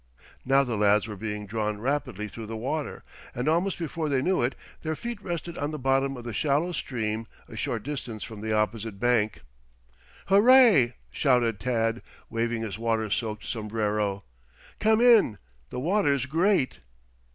Now the lads were being drawn rapidly through the water, and almost before they knew it their feet rested on the bottom of the shallow stream a short distance from the opposite bank. "Hooray!" shouted Tad, waving his water soaked sombrero. "Come in. The water's great!"